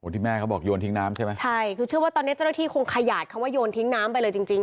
ที่แม่เขาบอกโยนทิ้งน้ำใช่ไหมใช่คือเชื่อว่าตอนนี้เจ้าหน้าที่คงขยาดคำว่าโยนทิ้งน้ำไปเลยจริงจริง